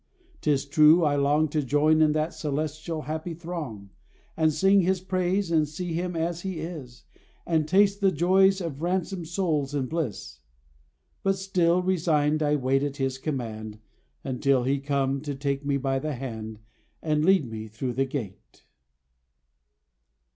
'Tis true I long To join in that celestial, happy throng, And sing His praise, and see Him as He is, And taste the joys of ransomed souls in bliss; But still, resigned I wait at His command Until He come to take me by the hand, And lead me through the gate.